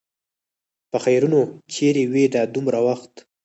پخيرونو! چېرې وې دا دومره وخت؟